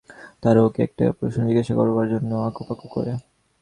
তারাও ওকে কী একটা প্রশ্ন জিজ্ঞাসা করবার জন্য আঁকুপাঁকু করে।